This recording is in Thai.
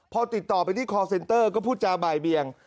พอติดต่อไปที่คอร์เซนเตอร์ก็พูดจาบ่ายเบียง